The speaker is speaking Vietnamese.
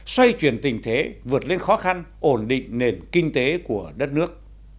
xoay chuyển tình thế vượt lên khó khăn ổn định nền kinh tế của đất nước